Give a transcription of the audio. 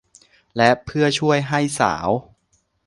และเพื่อช่วยให้สาว